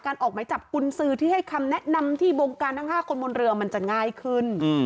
ออกไหมจับกุญสือที่ให้คำแนะนำที่บงการทั้ง๕คนบนเรือมันจะง่ายขึ้น